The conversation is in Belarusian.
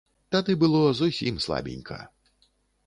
Тады было зусім слабенька.